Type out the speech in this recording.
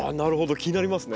気になりますね。